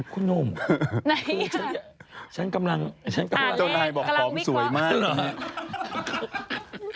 คุณโน้มฉันกำลังอ่านเลขกำลังวิเคราะห์